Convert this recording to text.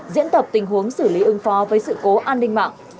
diễn tập tình huống xử lý ứng phó với sự cố an ninh mạng